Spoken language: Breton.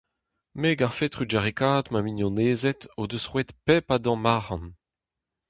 Me 'garfe trugarekaat ma mignonezed o deus roet pep a damm arc'hant.